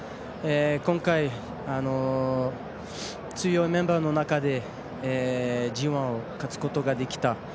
今回、強いメンバーの中でＧＩを勝つことができた。